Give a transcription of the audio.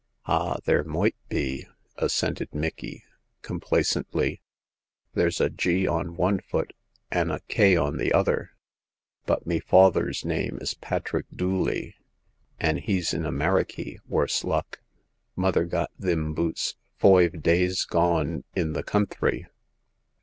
Ah ! there moight be," assented Micky, com placently ;there's a * G ' on one foot, an' a * K ' on the other ; but me fawther's name is Patrick Dooley, an' he's in Amerikey, worse luck. Mother got thim boots foive days gone in the counthry.